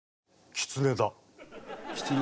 キツネだ！